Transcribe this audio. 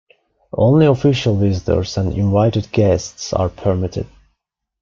Only official visitors and invited guests are permitted.